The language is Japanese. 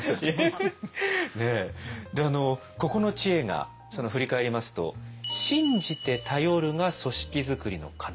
であのここの知恵が振り返りますと信じて頼るが組織づくりの要。